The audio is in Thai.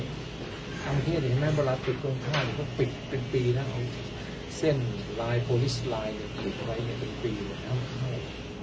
ทำเทศอย่างนั้นเวลาปิดโครงค้าเนี่ยก็ปิดเป็นปีถ้าเอาเส้นไลน์โพลิสไลน์หรืออะไรเป็นปีก็ไม่ให้เข้า